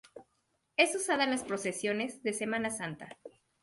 Es usada en las procesiones de Semana Santa.